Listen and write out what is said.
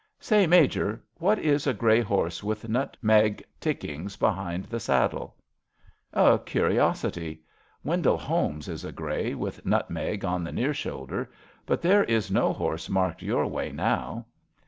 ^* Say, Major, what is a grey horse with nutmeg tickings behind the sad dle ?"A curiosity. Wendell Holmes is a grey, with nutmeg on the near shoulder, but there is no horse marked your way, now."